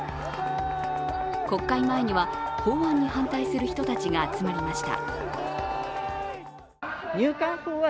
国会前には法案に反対する人たちが集まりました。